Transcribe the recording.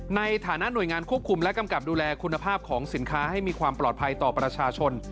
ในฐานะหน่วยงานควบคุมและกำกับดูแลคุณภาพของสินค้าให้มีความปลอดภัยต่อประชาชน